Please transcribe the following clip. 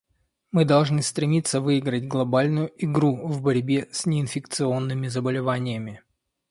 Мы должны стремиться выиграть глобальную игру в борьбе с неинфекционными заболеваниями.